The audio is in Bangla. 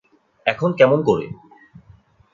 এখন কেমন করে?